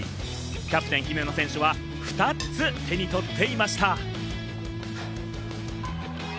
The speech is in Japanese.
キャプテン・姫野選手は、２つ手に取っていました。